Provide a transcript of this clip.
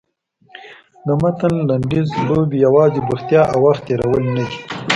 د متن لنډیز لوبې یوازې بوختیا او وخت تېرول نه دي.